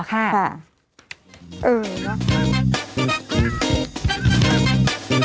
อ่าแถมท้ายก่อนปิดเบรกไหมเดี๋ยวกลับมาใส่ไข่กันต่อค่ะ